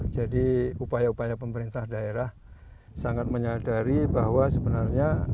jadi upaya upaya pemerintah daerah sangat menyadari bahwa sebenarnya